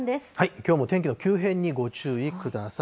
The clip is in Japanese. きょうも天気の急変にご注意ください。